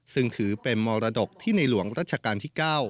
ซึ่งถือเป็นมรดกที่ในหลวงรัชกาลที่๙